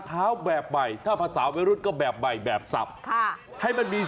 แบบใหม่ถ้าภาษาวัยรุ่นก็แบบใหม่แบบสับค่ะให้มันมี